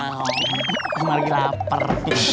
gak mau emang lagi lapar